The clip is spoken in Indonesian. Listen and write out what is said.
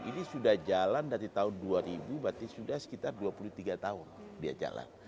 ini sudah jalan dari tahun dua ribu berarti sudah sekitar dua puluh tiga tahun dia jalan